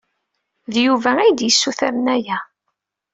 D Yuba ay d-yessutren aya.